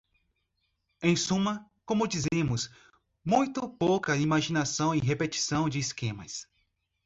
Em suma, como dizemos, muito pouca imaginação e repetição de esquemas.